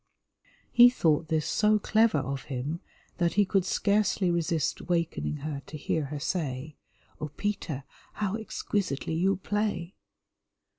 He thought this so clever of him that he could scarcely resist wakening her to hear her say, "Oh, Peter, how exquisitely you play."